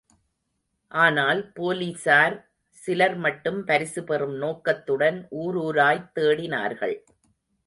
ஆனால் போலிஸாரில் சிலர்மட்டும் பரிசு பெறும் நோக்கத்துடன் ஊருராய்த் தேடினார்கள்.